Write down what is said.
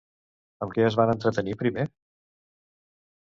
Amb què es va entretenir primer?